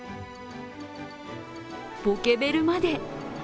ポケベルまで。